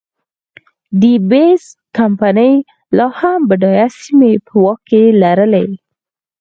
ډي بیرز کمپنۍ لا هم بډایه سیمې په واک کې لرلې.